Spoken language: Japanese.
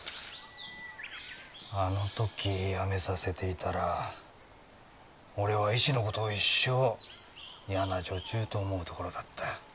あの時辞めさせていたら俺は石のことを一生嫌な女中と思うところだった。